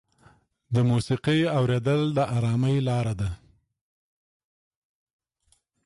د موسیقۍ اورېدل د ارامۍ لاره ده.